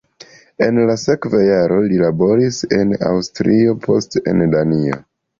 En la sekva jaro li laboris en Aŭstrio, poste en Danio.